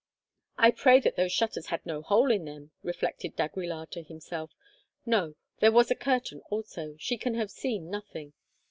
"I pray that those shutters had no hole in them," reflected d'Aguilar to himself. "No, there was a curtain also; she can have seen nothing."